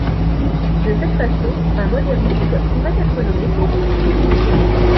De cette façon, un moderniste pouvait être nommé pour lui succéder.